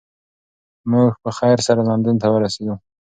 موږ په خیر سره لندن ته ورسیدو.